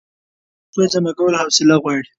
د پیسو جمع کول حوصله غواړي.